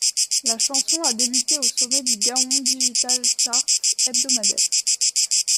La chanson a débuté au sommet du Gaon Digital Chart hebdomadaire.